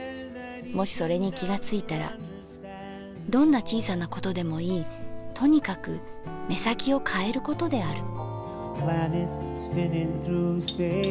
もしそれに気がついたらどんな小さなことでもいいとにかく目先きをかえることである」。